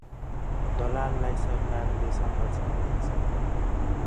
दलाललाई सरकारले संरक्षण दिन्छ ।